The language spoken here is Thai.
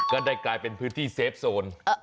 ก็ได้กลายเป็นพื้นที่เซฟโซน